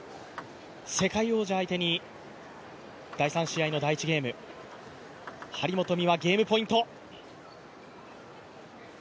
中国、世界王者相手に第３試合の第１ゲーム、張本美和、ゲームポイント。